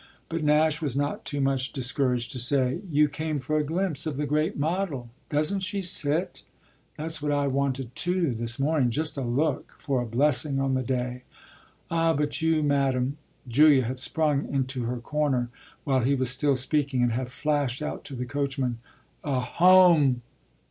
But Nash was not too much discouraged to say: "You came for a glimpse of the great model? Doesn't she sit? That's what I wanted too, this morning just a look, for a blessing on the day. Ah but you, madam " Julia had sprung into her corner while he was still speaking and had flashed out to the coachman a "Home!"